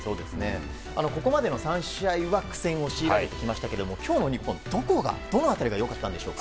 ここまでの３試合は苦戦を強いられてきましたが今日の日本、どこがどの辺りが良かったんでしょう。